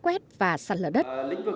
lũ quét và sạt lở đất